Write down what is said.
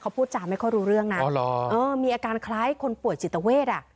เขาพูดจาไม่ค่อยรู้เรื่องนะมีอาการคล้ายคนป่วยจิตเวทอ่ะ